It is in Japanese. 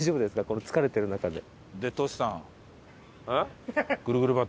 この疲れてる中で。